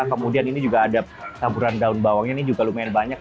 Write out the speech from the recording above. kemudian ini juga ada taburan daun bawangnya ini juga lumayan banyak